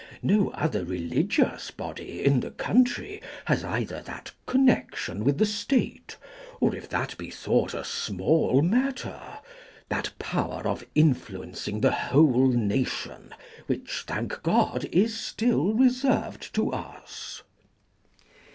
No other religious body in the country has either that connection with the State, or if that be thought a small matter, that power of influencing the whole nation which, thank God, is still reserved to us."